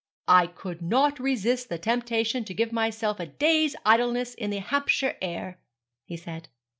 'I could not resist the temptation to give myself a day's idleness in the Hampshire air,' he said.